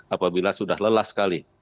apabila sudah lelah sekali